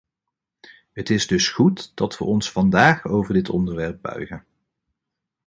Het is dus goed dat we ons vandaag over dit onderwerp buigen.